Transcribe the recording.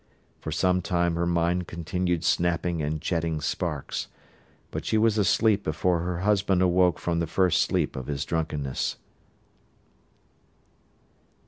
For some time her mind continued snapping and jetting sparks, but she was asleep before her husband awoke from the first sleep of his drunkenness.